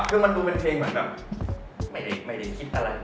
คือมันดูเป็นเพลงเหมือนแบบไม่ได้คิดอะไร